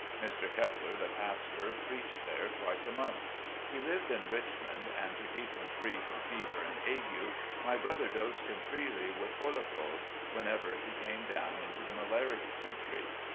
Mr. Kep ler, the pastor, preached there twice a month. He lived in Richmond, and, to keep him free from fever and ague, my brother dosed him freely with cholagogue whenever he came down into the malarial countiy.